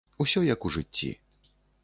Усё, як у жыцці.